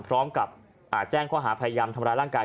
พร้อมกับแจ้งข้อหาพยายามทำร้ายร่างกาย